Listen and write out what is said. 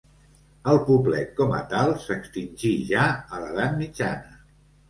El poblet com a tal s'extingí ja a l'Edat Mitjana.